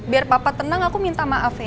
biar papa tenang aku minta maaf ya